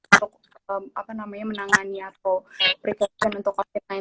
untuk menangani atau precaution untuk covid sembilan belas ini